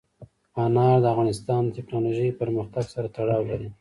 انار د افغانستان د تکنالوژۍ پرمختګ سره تړاو لري.